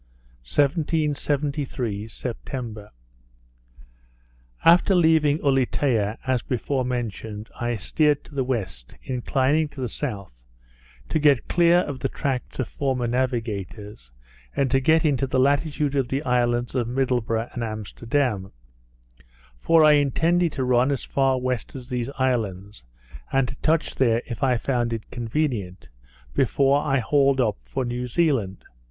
_ 1773 September After leaving Ulietea, as before mentioned, I steered to the west, inclining to the south, to get clear of the tracts of former navigators, and to get into the latitude of the islands of Middleburgh and Amsterdam; for I intended to run as far west as these islands, and to touch there if I found it convenient, before I hauled up for New Zealand.